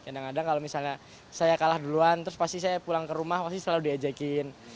kadang kadang kalau misalnya saya kalah duluan terus pasti saya pulang ke rumah pasti selalu diajakin